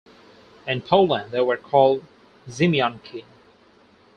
In Poland they were called "ziemianki".